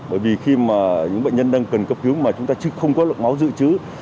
bởi vì khi mà những bệnh nhân đang cần cấp cứu mà chúng ta không có lượng máu dự trữ